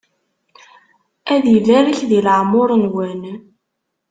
Ad ibarek di leεmuṛ-nwen!